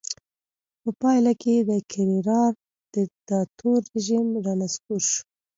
په پایله کې د کرېرارا دیکتاتور رژیم رانسکور شو.